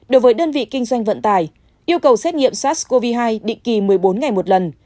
đối với đơn vị kinh doanh vận tải yêu cầu xét nghiệm sars cov hai định kỳ một mươi bốn ngày một lần